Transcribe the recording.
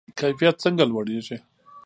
کیفیت څنګه لوړیږي؟